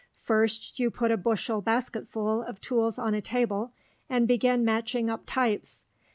First you put a bushel basketful of tools on a table and begin matching up types.